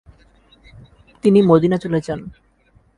তিনি মদিনা চলে যান।